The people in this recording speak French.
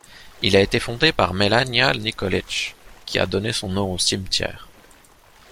Il a été fondé par Melanija Nikolić, qui a donné son nom au cimetière.